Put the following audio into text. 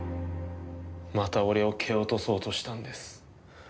また俺を蹴落とそうとしたんです。